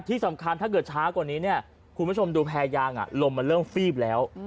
ที่สำคัญถ้าเกิดช้ากว่านี้คุณผู้ชมดูแพยางลมมันเริ่มฟีบแล้ว